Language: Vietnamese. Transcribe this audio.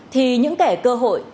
thì những kẻ cơ hội